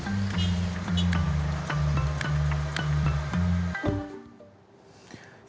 kementerian perhubungan akan membuat regulasi yang mengutamakan keselamatan penumpang